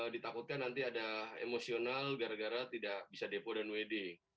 ditakutkan nanti ada emosional gara gara tidak bisa depo dan wd